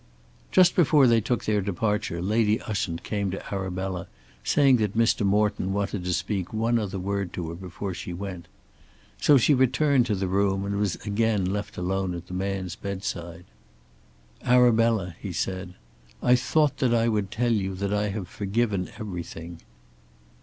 Just before they took their departure Lady Ushant came to Arabella saying that Mr. Morton wanted to speak one other word to her before she went. So she returned to the room and was again left alone at the man's bedside. "Arabella," he said, "I thought that I would tell you that I have forgiven everything."